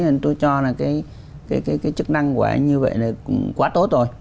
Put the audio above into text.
anh tôi cho là cái chức năng của anh như vậy là quá tốt rồi